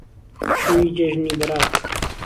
شهوی جهژنی بهراتێ